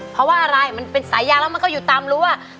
เพราะว่าอะไรมันเป็นสายยางแล้วมันก็อยู่ตามรั้ว